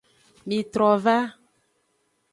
Mitrova.